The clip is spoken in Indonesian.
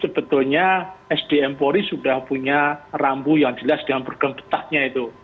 sebetulnya sd empori sudah punya rambu yang jelas dengan program petahnya itu